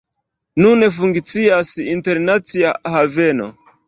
Nun funkcias internacia haveno.